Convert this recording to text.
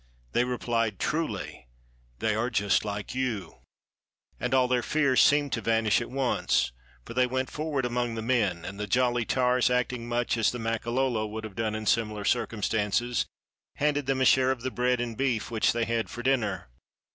They re plied, ''Truly! they are just like you! " and all their fears seemed to^ vanish at once, for they went forward among the men, and the jolly tars, acting much as the Makololo would have done in similar circumstances, handed them a share of the bread and beef which they had for dinner.